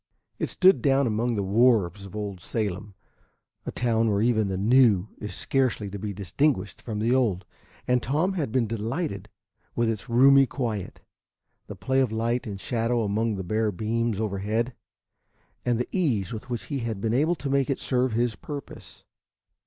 It stood down among the wharves of old Salem, a town where even the new is scarcely to be distinguished from the old, and Tom had been delighted with its roomy quiet, the play of light and shadow among the bare beams overhead, and the ease with which he had been able to make it serve his purpose.